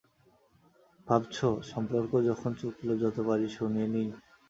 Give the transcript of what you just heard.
ভাবছ, সম্পর্ক যখন চুকল যত পারি শুনিয়ে নিই?